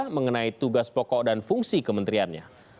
mengenai tugas pokok dan fungsi kementeriannya